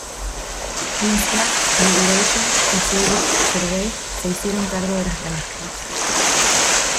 Vince Clarke de Erasure y Cedric Gervais se hicieron cargo de las remezclas.